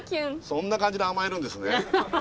そんな感じで甘えるんですね。